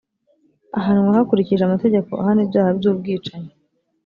ahanwa hakurikijwe amategeko ahana ibyaha by’ubwicanyi